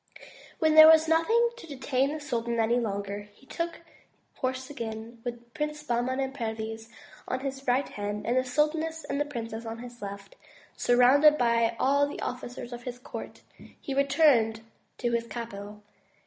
When there was nothing to detain the sultan any longer, he took horse again, and with the Princes Bahman and Perviz on his right hand, and the sultaness and the princess at his left, surrounded by all the officers of his court, he returned to his capital.